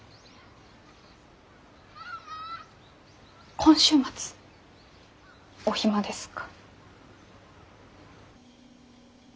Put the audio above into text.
今週末お暇ですか？